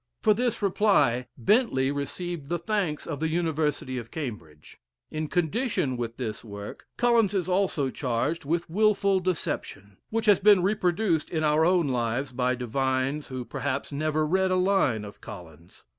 For this reply, Bentley received the thanks of the University of Cambridge. In condition with this work, Collins is also charged with wilful deception which has been reproduced in our own lives by devines who perhaps never read a line of Collins.